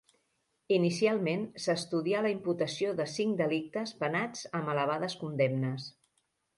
Inicialment s'estudià la imputació de cinc delictes, penats amb elevades condemnes.